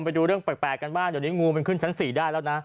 ไปดูเรื่องแปลกกันบ้างเดี๋ยวนี้งูมันขึ้นชั้น๔ได้แล้วนะ